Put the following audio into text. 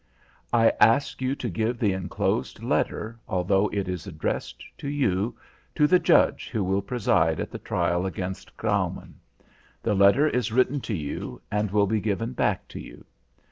I ask you to give the enclosed letter, although it is addressed to you, to the Judge who will preside in the trial against Graumann. The letter is written to you and will be given back to you.